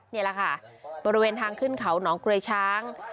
นี่แหละค่ะบริเวณทางขึ้นเขาหนองกรวยช้าง